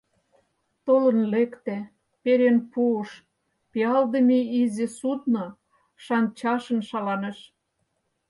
Толын лекте, перен пуыш — пиалдыме изи судно шанчашын шаланыш.